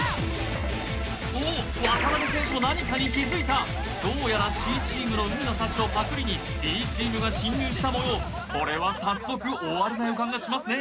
おっ渡辺選手も何かに気づいたどうやらＣチームの海の幸をパクリにＢチームが侵入したもようこれは早速大荒れな予感がしますね